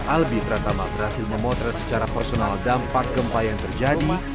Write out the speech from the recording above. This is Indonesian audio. albi pratama berhasil memotret secara personal dampak gempa yang terjadi